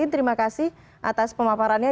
terima kasih atas pemaparan ini